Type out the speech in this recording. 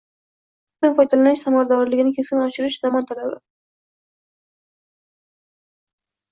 Suvdan foydalanish samaradorligini keskin oshirish – zamon talabing